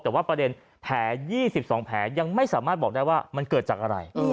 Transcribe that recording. แต่ว่าประเด็นแผล๒๒แผลยังไม่สามารถบอกได้ว่ามันเกิดจากอะไร